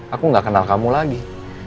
aku gak kenal kamu lagi